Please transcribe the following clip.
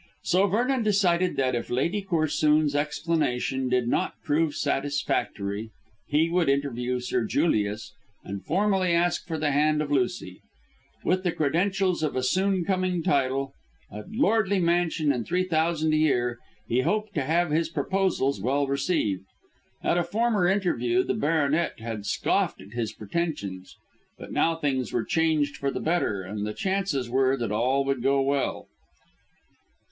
So Vernon decided that if Lady Corsoon's explanation did not prove satisfactory he would interview Sir Julius and formally ask for the hand of Lucy. With the credentials of a soon coming title, a lordly mansion and three thousand a year, he hoped to have his proposals well received. At a former interview the baronet had scoffed at his pretensions; but now things were changed for the better, and the chances were that all would go well.